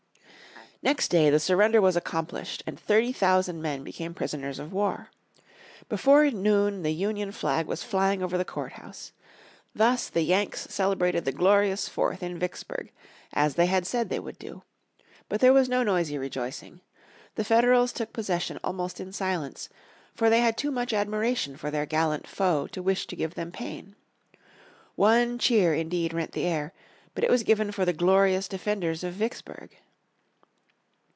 Next day the surrender was accomplished, and thirty thousand men became prisoners of war. Before noon the Union flag was flying over the Court House. Thus the "Yanks" celebrated the "glorious Fourth" in Vicksburg, as they had said they would do. But there was no noisy rejoicing. The Federals took possession almost in silence, for they had too much admiration for their gallant foe to wish to give them pain. One cheer indeed rent the air, but it was given for the glorious defenders of Vicksburg.